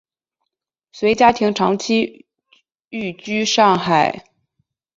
随家庭长期寓居上海。